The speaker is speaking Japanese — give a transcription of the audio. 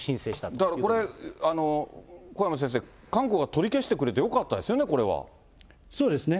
だからこれ、小山先生、韓国が取り消してくれて、よかったでそうですね。